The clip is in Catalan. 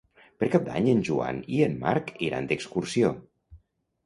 Per Cap d'Any en Joan i en Marc iran d'excursió.